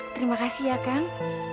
terima kasih ya kang